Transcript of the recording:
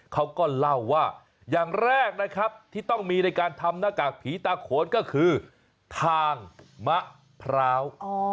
เขาก็เล่าว่าอย่างแรกนะครับที่ต้องมีในการทำหน้ากากผีตาโขนก็คือทางมะพร้าว